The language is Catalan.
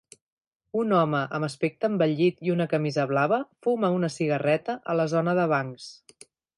Un home amb aspecte envellit i una camisa blava fuma una cigarreta a la zona de bancs.